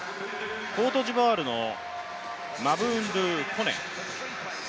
コートジボアールのマブーンドゥ・コネ。